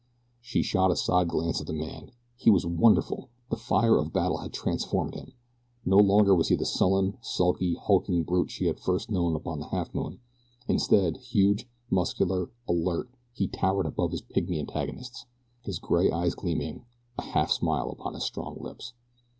She shot a side glance at the man. He was wonderful! The fire of battle had transformed him. No longer was he the sullen, sulky, hulking brute she had first known upon the Halfmoon. Instead, huge, muscular, alert, he towered above his pygmy antagonists, his gray eyes gleaming, a half smile upon his strong lips.